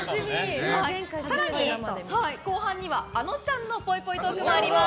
更に後半には、あのちゃんのぽいぽいトークもあります。